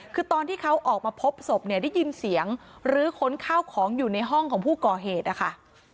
คือตอนที่เขาออกมาพบศพเนี่ยได้ยินเสียงหรือค้นข้าวของอยู่ในห้องของผู้ก่อเหตุนะคะ